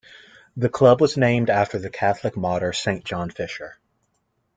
The club was named after the Catholic martyr Saint John Fisher.